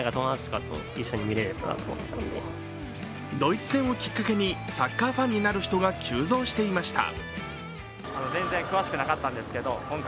ドイツ戦をきっかけにサッカーファンになる人が急増していました。